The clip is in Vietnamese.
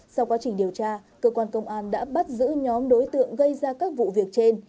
sau quá trình điều tra cơ quan công an đã bắt giữ nhóm đối tượng gây ra các vụ việc trên